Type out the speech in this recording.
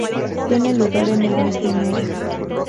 Tiene lugar en el mes de enero.